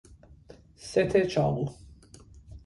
ست چاقو